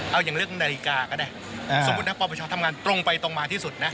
เอาอย่างเลือกนาฬิกาก็ได้อ่าสมมุติถ้าพบชาติทำงานตรงไปตรงมาที่สุดนะ